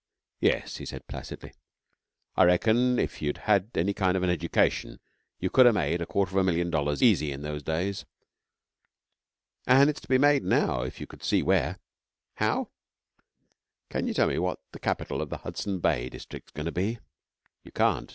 'Yes,' he said placidly. 'I reckon if you'd had any kind of an education you could ha' made a quarter of a million dollars easy in those days. And it's to be made now if you could see where. How? Can you tell me what the capital of the Hudson Bay district's goin' to be? You can't.